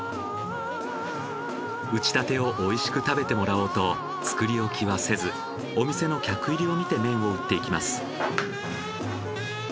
打ちたてをおいしく食べてもらおうと作り置きはせずお店の客入りを見て麺を打っていきます。